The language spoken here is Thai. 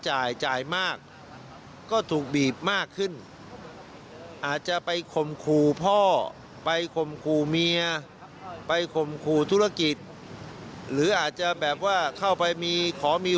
อาจจะไปคมคูพ่อไปคมคูย์เมียไปคมคูย์ธุรกิจหรืออาจจะแบบว่าเข้าไปมีขอมี